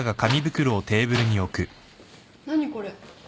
何これ？